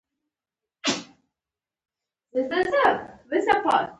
د انجونو په بدو کي ورکول دا يو ستر افغاني پيغور دي